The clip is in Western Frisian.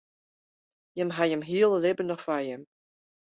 Jimme hawwe jimme hiele libben noch foar jimme.